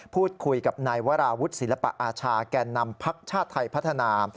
พูดคุยกับนายวราวุฒิศิลปะอาชาแก่นำพักชาติไทยพัฒนา